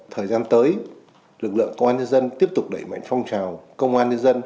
thời gian tới lực lượng công an nhân dân tiếp tục đẩy mạnh phong trào công an nhân dân